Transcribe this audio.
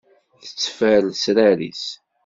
Tetteffer lesrar-is.